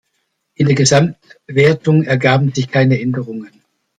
In der Gesamtwertung ergaben sich keine Änderungen.